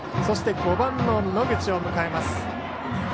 そして５番の野口を迎えます。